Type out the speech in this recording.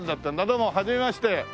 どうもはじめまして。